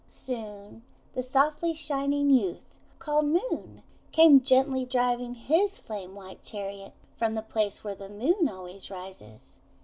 Soon the softly shining youth, called Moon, came gently driving his flame white chariot from the place where the Moon always rises.